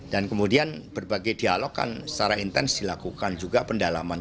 dan kemudian berbagai dialog kan secara intens dilakukan juga pendalaman